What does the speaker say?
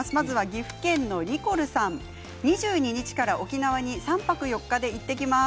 岐阜県の方２２日から沖縄に３泊４日で行ってきます。